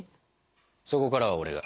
そこからは俺が。